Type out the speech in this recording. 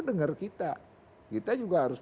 dengar kita kita juga harus